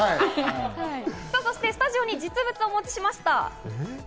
スタジオに実物をお持ちしました。